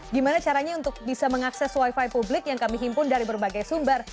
gimana caranya untuk bisa mengakses wifi publik yang kami himpun dari berbagai sumber